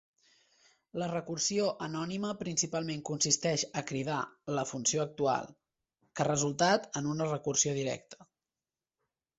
La recursió anònima principalment consisteix a cridar "la funció actual", que resultat en una recursió directa.